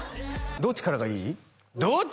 「どっちからがいい？」